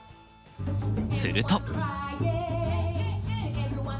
すると！